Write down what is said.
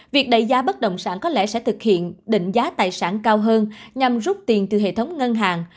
việc đẩy giá bất động sản có lẽ sẽ thực hiện định giá tài sản cao hơn nhằm rút tiền từ hệ thống ngân hàng